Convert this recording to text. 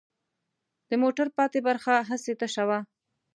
د موټر پاتې برخه هسې تشه وه.